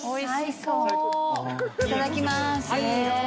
いただきます。